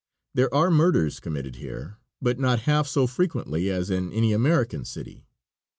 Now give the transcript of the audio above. There are murders committed here, but not half so frequently as in any American city.